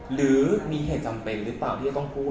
หรือมีเหตุจำเป็นหรือเปล่าที่จะต้องพูด